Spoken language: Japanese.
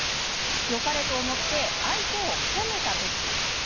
よかれと思って相手を褒めた時。